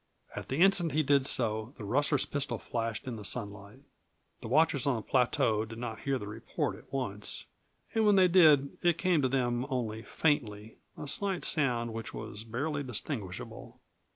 At the instant he did so the rustler's pistol flashed in the sunlight. The watchers on the plateau did not hear the report at once, and when they did it came to them only faintly a slight sound which was barely distinguishable.